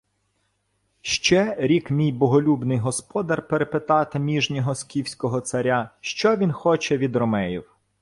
— Ще рік мій боголюбний господар перепитати міжнього скіфського царя, що він хоче від ромеїв.